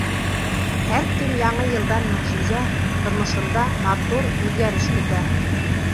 Һәр кем Яңы йылдан мөғжизә, тормошонда матур үҙгәреш көтә.